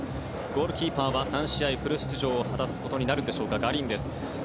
ゴールキーパーは３試合フル出場を果たすことになるんでしょうかガリンデス。